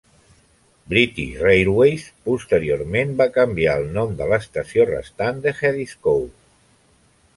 British Railways posteriorment va canviar el nom de l'estació restant de Haddiscoe.